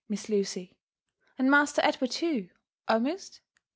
Miss Lucy? — and Master Edward, too, almost?